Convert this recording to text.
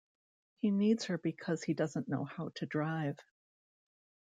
He needs her because he doesn't know how to drive.